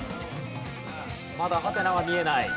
まだハテナは見えない。